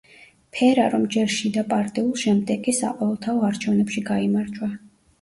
ფერარომ ჯერ შიდაპარტიულ, შემდეგ კი საყოველთაო არჩევნებში გაიმარჯვა.